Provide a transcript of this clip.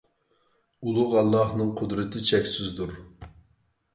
ئۇلۇغ ئاللاھنىڭ قۇدرىتى چەكسىزدۇر!